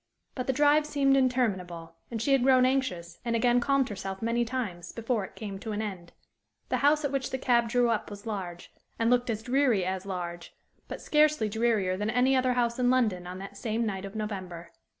But the drive seemed interminable, and she had grown anxious and again calmed herself many times, before it came to an end. The house at which the cab drew up was large, and looked as dreary as large, but scarcely drearier than any other house in London on that same night of November.